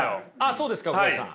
そうですかコカドさん。